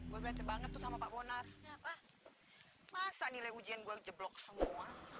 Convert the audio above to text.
gue bete banget sama pak bonar ya pak masa nilai ujian gue jeblok semua